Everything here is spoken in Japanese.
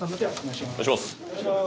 お願いします。